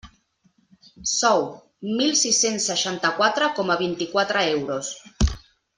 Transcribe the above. Sou: mil sis-cents seixanta-quatre coma vint-i-quatre euros.